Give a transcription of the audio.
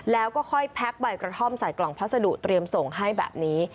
แล้วก็ค่อยแพ็คใบกระท่อมใส่กล่องพัสดุเตรียมส่งให้แบบนี้